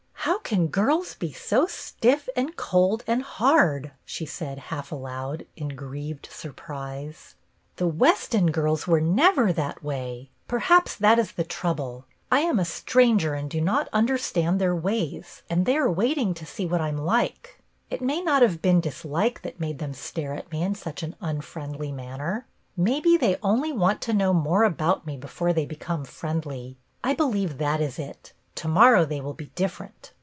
" How can girls be so stiff and cold and hard ?" she said half aloud, in grieved sur prise. " The Weston girls were never that BETTY BAIRD 56 way. Perhaps that is the trouble ; I am a stranger and do not understand their ways, and they are waiting to see what I am like. It may not have been dislike that made them stare at me in such an unfriendly manner. Maybe they only want to know more about me before they become friendly. I believe that is it. To morrow they will be different.